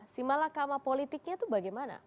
si malakama politiknya itu bagaimana